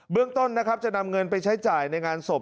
เรื่องต้นนะครับจะนำเงินไปใช้จ่ายในงานศพ